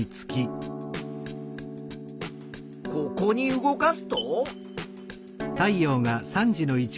ここに動かすと？